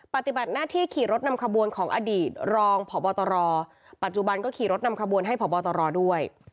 ปฏิบัติหน้าที่ขี่รถนำขบวนของอดีตรองพบตรปัจจุบันก็ขี่รถนำขบวนให้พบตรด้วย